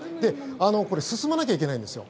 これ進まなきゃいけないんですよ